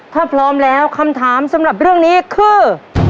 ถ้าพร้อมแล้วคำถามสำหรับเรื่องนี้คือ